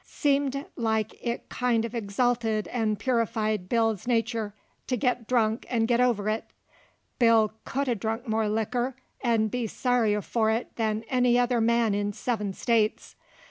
Seemed like it kind uv exalted an' purified Bill's nachur to git drunk an' git over it. Bill c'u'd drink more likker 'nd be sorrier for it than any other man in seven States.